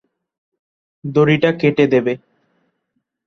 দড়িটা কেটে দেবে।